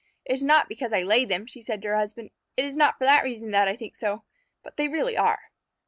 "It is not because I laid them," she said to her husband. "It is not for that reason that I think so, but they really are."